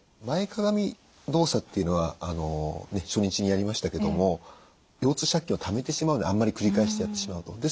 前かがみ動作っていうのは初日にやりましたけども腰痛借金をためてしまうのであんまり繰り返してやってしまうと。